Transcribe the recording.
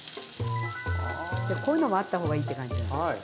こういうのもあった方がいいって感じじゃない。